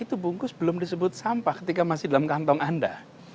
itu bungkus belum disebut sampah ketika masih dalam kantong anda